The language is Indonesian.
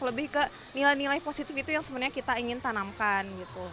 lebih ke nilai nilai positif itu yang sebenarnya kita ingin tanamkan gitu